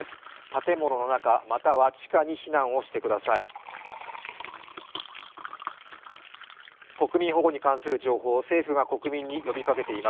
建物の中、または地下に避難をしてください。